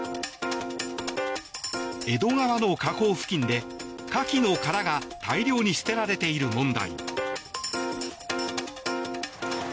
江戸川の河口付近でカキの殻が大量に捨てられている問題。